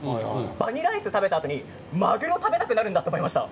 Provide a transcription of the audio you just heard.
バニラアイスを食べたあとにまぐろが食べたくなるんだと思いました。